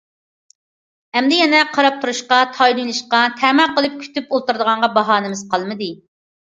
ئەمدى يەنە قاراپ تۇرۇشقا، تايىنىۋېلىشقا، تەمە قىلىپ كۈتۈپ ئولتۇرىدىغانغا باھانىمىز قالمىدى.